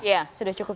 ya sudah cukup